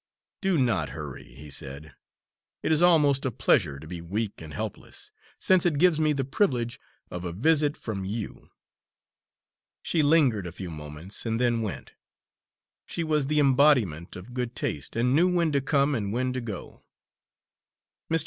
"Do not hurry," he said. "It is almost a pleasure to be weak and helpless, since it gives me the privilege of a visit from you." She lingered a few moments and then went. She was the embodiment of good taste and knew when to come and when to go. Mr.